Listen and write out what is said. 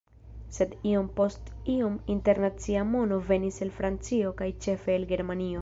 Sed iom post iom internacia mono venis el Francio kaj ĉefe el Germanio.